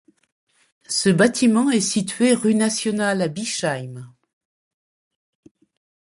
Ce bâtiment est situé rue Nationale à Bischheim.